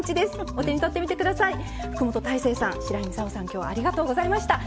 今日ありがとうございました。